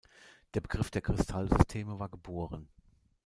Der Begriff der Kristallsysteme war geboren.